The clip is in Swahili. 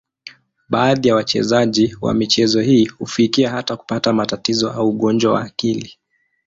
Baadhi ya wachezaji wa michezo hii hufikia hata kupata matatizo au ugonjwa wa akili.